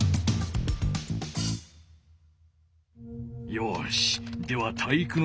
よしでは体育ノ